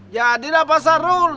jadi lah pak sarul